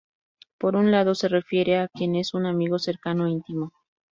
Por un lado se refiere a quien es un amigo cercano íntimo.